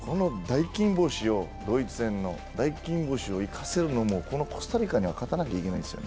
このドイツ戦の大金星を生かせるのも、このコスタリカには勝たなきゃいけないんですよ。